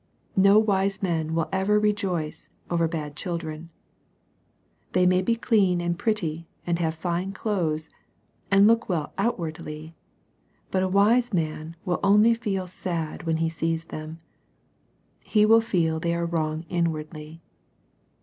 No wise man will ever rejoice over bad children. They may be clean and pretty, and have fine clothes, and look well outwardly^ but a wise man will only feel sad when he sees them : he will feel they are wrong inwardly.